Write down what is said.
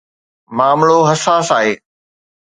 معاملو حساس آهي.